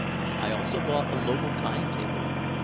I also bought a local time table.